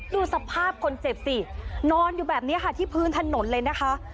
ดูสภาพคนเจ็บสินอนอยู่แบบนี้ค่ะที่พื้นถนนเลยนะคะ